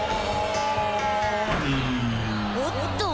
おっと！